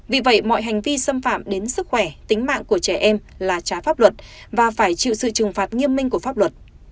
vì vậy mọi hành vi xâm phạm đến sức khỏe tính mạng của trẻ em là trái pháp luật và phải chịu sự trừng phạt nghiêm minh của pháp luật